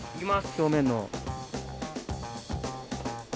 表面の。